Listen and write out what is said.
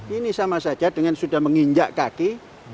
ini sama saja dengan sudah menginjak kaki